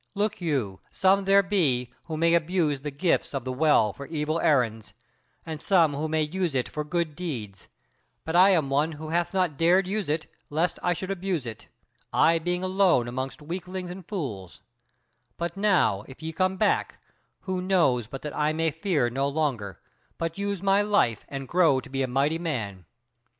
Look you, some there be who may abuse the gifts of the Well for evil errands, and some who may use it for good deeds; but I am one who hath not dared to use it lest I should abuse it, I being alone amongst weaklings and fools: but now if ye come back, who knows but that I may fear no longer, but use my life, and grow to be a mighty man.